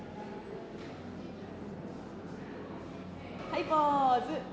はい、ポーズ。